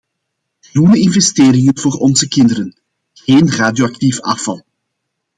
Groene investeringen voor onze kinderen, geen radioactief afval!